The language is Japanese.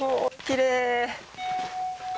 きれい。